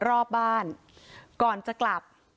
รอบบ้านก่อนจะกลับ